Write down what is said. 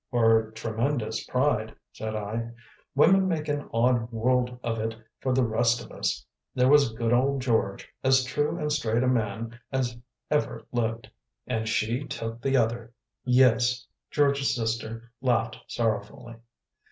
"Or tremendous pride," said I. "Women make an odd world of it for the rest of us. There was good old George, as true and straight a man as ever lived " "And she took the other! Yes." George's sister laughed sorrowfully.